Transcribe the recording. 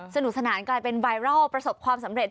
สนุกสนานกลายไปประสบความสำเร็จ